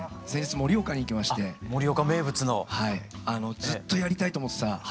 ずっとやりたいと思ってた初挑戦です。